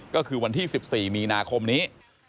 ก็คือวันที่๑๔มีนาคมนี้